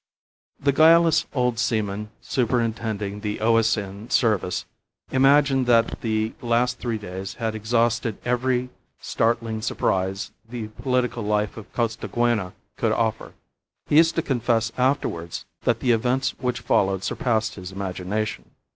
The guileless old seaman superintending the O.S.N. service imagined that the last three days had exhausted every startling surprise the political life of Costaguana could offer. He used to confess afterwards that the events which followed surpassed his imagination.